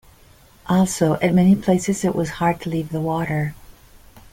Also, at many places it was hard to leave the water.